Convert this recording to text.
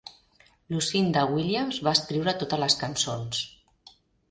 Lucinda Williams va escriure totes les cançons.